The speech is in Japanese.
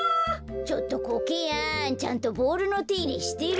ちょっとコケヤンちゃんとボールのていれしてる？